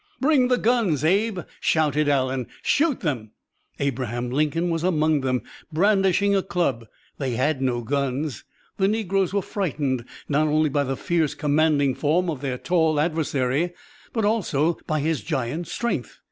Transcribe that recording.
"Bring the guns, Abe!" shouted Allen. "Shoot them!" Abraham Lincoln was among them, brandishing a club they had no guns. The negroes were frightened not only by the fierce, commanding form of their tall adversary, but also by his giant strength.